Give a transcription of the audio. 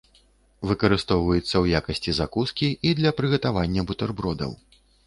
Выкарыстоўваецца ў якасці закускі і для прыгатавання бутэрбродаў.